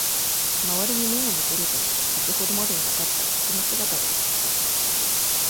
周りに目を向けると、先ほどまでいなかった客の姿が映った。